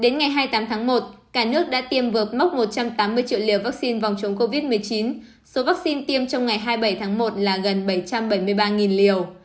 đến ngày hai mươi tám tháng một cả nước đã tiêm vớt mốc một trăm tám mươi triệu liều vaccine phòng chống covid một mươi chín số vaccine tiêm trong ngày hai mươi bảy tháng một là gần bảy trăm bảy mươi ba liều